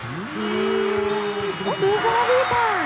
ブザービーター。